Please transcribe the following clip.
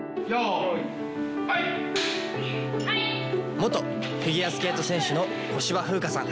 元フィギュアスケート選手の小芝風花さん。